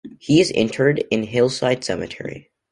He is interred in Hillside Cemetery.